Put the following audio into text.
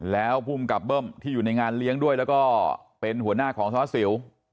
แล้วภูมิกับเบิ้มที่อยู่ในงานเลี้ยงด้วยแล้วก็เป็นหัวหน้าของสารวัสสิว